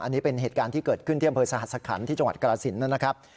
อันนี้เป็นเหตุการณ์ที่เกิดขึ้นที่อำเภอสหรัฐสคัณภ์ที่จังหวัดกราศิลป์